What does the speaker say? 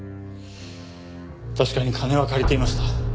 確かに金は借りていました。